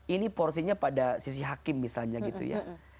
ini porsinya pada sisi hakim misalnya gitu ya